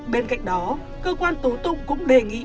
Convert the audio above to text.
bên cạnh đó cơ quan tố tụng cũng đề nghị